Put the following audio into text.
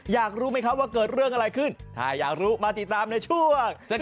อยากรู้ไหมครับว่าเกิดเรื่องอะไรขึ้นถ้าอยากรู้มาติดตามในช่วง